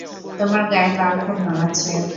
তোমার গায়ে লাল খুব মানাচ্ছে।